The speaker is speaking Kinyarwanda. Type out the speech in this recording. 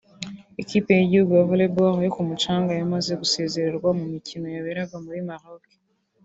Ikipe y'igihugu ya Volleyball yo ku mucanga yamaze gusezererwa mu mikino yaberaga muri Maroc